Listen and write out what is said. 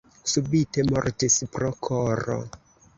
Subite mortis pro koro.